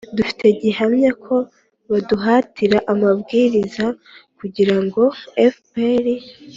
dufite gihamya ko baduhatiye amabwiriza kugira ngo fpr